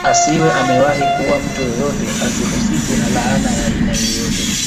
Asiwe amewahi kuua mtu yoyote asihusike na laana ya aina yoyote